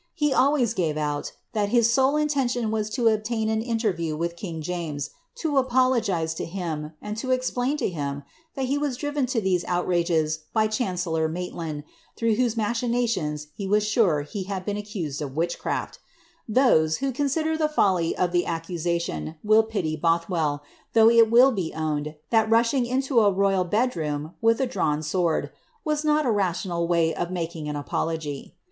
He always gare out, that his sole intention was to obtain an interview with king James, to apologise to him, and to explain to him, that he was driven to these outrages by chancellor Maitland, through whose machinations he was sure he had been accused of witchcraft Those, who consider the folly of the accusation, will pity Both well, though it will be owned, that rushing into a royal bed room, with a drawn sword, was not a rational way of making an apology.